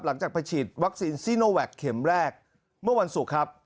หลังจากไปฉีดวัคซีนซีโนแวคเข็มแรกเมื่อวันศุกร์ครับ